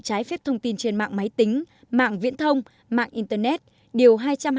trái phép thông tin trên mạng máy tính mạng viễn thông mạng internet điều hai trăm hai mươi